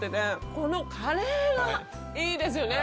このカレーがいいですよね。